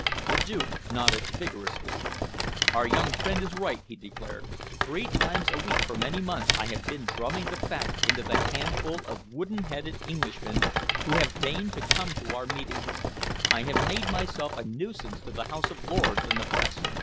The Duke nodded vigorously. "Our young friend is right," he declared. "Three times a week for many months I have been drumming the fact into the handful of wooden headed Englishmen who have deigned to come to our meetings. I have made myself a nuisance to the House of Lords and the Press.